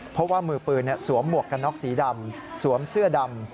เพราะว่ามือปืนสวมหมวกกันน็อกสีดำสวมเสื้อดำ